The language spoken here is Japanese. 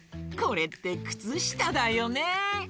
これってくつしただよね。